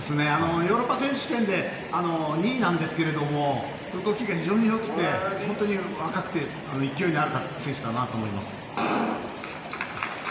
ヨーロッパ選手権で２位なんですが動きが非常によくて本当に若くて勢いのある選手だなと思います。